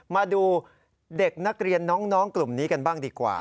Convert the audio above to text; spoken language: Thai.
มาดูเด็กนักเรียนน้องกลุ่มนี้กันบ้างดีกว่า